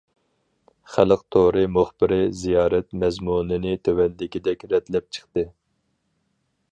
خەلق تورى مۇخبىرى زىيارەت مەزمۇنىنى تۆۋەندىكىدەك رەتلەپ چىقتى.